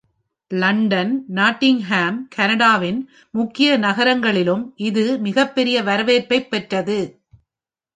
London, Nottingham, கனடாவின் முக்கிய நகரங்களிலும் இது மிகப்பெரிய வரவேற்பைப் பெற்றது.